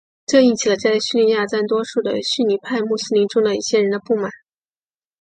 这引起了在叙利亚占多数的逊尼派穆斯林中的一些人的不满。